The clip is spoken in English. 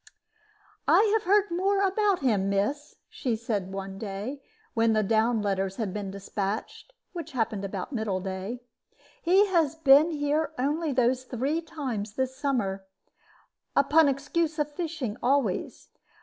"I have heard more about him, miss," she said one day, when the down letters had been dispatched, which happened about middle day. "He has been here only those three times this summer, upon excuse of fishing always.